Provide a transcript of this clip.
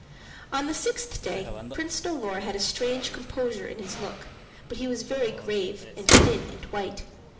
On the sixth day Prince Dolor had a strange composure in his look, but he was very grave and thin and white.